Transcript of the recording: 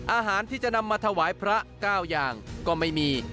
อาหารที่จะนำมาถวายพระ๙อย่างก็ไม่มี